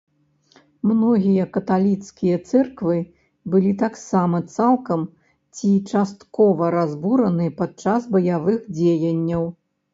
Многія каталіцкія цэрквы былі таксама цалкам ці часткова разбураны падчас баявых дзеянняў.